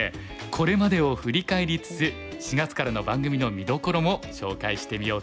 これまでを振り返りつつ４月からの番組の見どころも紹介してみようと思います。